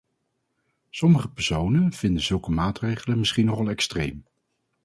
Sommige personen vinden zulke maatregelen misschien nogal extreem.